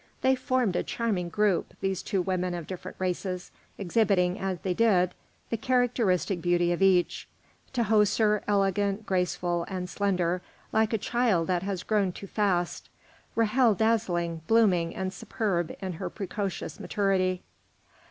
They formed a charming group, these two women of different races, exhibiting, as they did, the characteristic beauty of each: Tahoser elegant, graceful, and slender, like a child that has grown too fast; Ra'hel dazzling, blooming, and superb in her precocious maturity.